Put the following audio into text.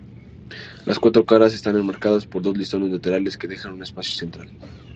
Las cuatro caras están enmarcadas por dos listones laterales que dejan un espacio central.